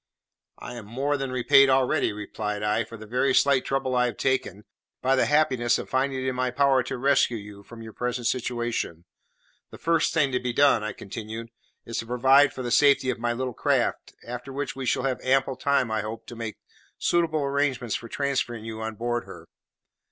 "I am more than repaid already," replied I, "for the very slight trouble I have taken, by the happiness of finding it in my power to rescue you from your present situation. The first thing to be done," I continued, "is to provide for the safety of my little craft, after which we shall have ample time, I hope, to make suitable arrangements for transferring you on board her.